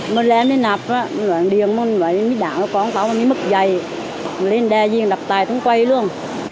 một lần em đi nạp một lần đi đáng con có mất giày lên đe gì đập tay không quay luôn